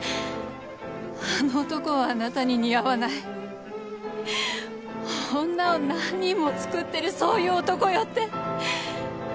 あの男はあなたに似合わない女を何人も作ってるそういう男よって。